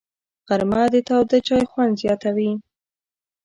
غرمه د تاوده چای خوند زیاتوي